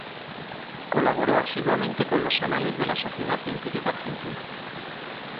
Colaboró asiduamente con los Anales de la Sociedad Científica Argentina.